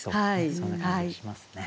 そんな感じがしますね。